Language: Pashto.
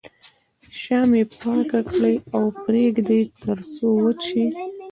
شا یې پاکه کړئ او پرېږدئ تر څو وچ شي.